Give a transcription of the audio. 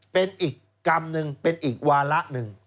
เป็นอีกกรรมหนึ่งเป็นอีกวาระหนึ่ง